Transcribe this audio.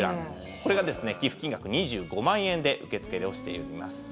これが寄付金額２５万円で受け付けをしています。